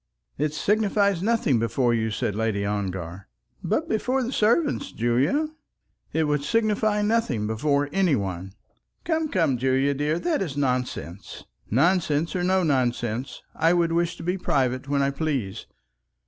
"It signifies nothing before you," said Lady Ongar. "But before the servant, Julie ?" "It would signify nothing before anybody." "Come, come, Julie, dear; that is nonsense." "Nonsense or no nonsense, I would wish to be private when I please.